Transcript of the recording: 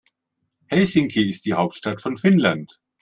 Helsinki ist die Hauptstadt von Finnland.